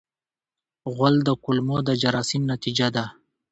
غول د کولمو د جراثیم نتیجه ده.